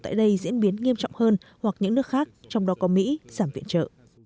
tại đây diễn biến nghiêm trọng hơn hoặc những nước khác trong đó có mỹ giảm viện trợ